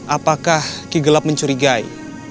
apakah ki gelap mencurigai